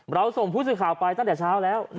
เราส่งผู้สื่อข่าวไปตั้งแต่เช้าแล้ว